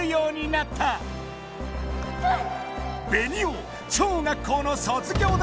ベニオ超学校の卒業だ。